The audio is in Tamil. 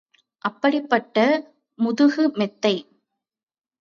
அப்படிப்பட்ட முதுகு மெத்தை.